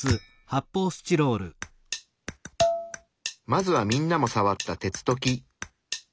まずはみんなもさわった鉄と木。